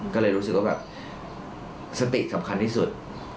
ก็เลยรู้สึกว่าแบบสติสำคัญที่สุด